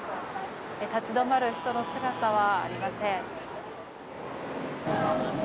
立ち止まる人の姿はありません。